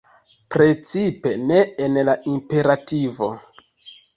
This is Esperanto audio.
Precipe ne en la imperativo.